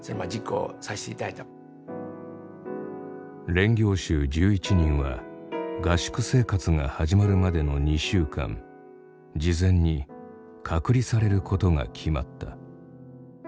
練行衆１１人は合宿生活が始まるまでの２週間事前に隔離されることが決まった。